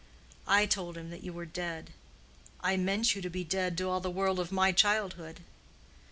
I told him that you were dead: I meant you to be dead to all the world of my childhood.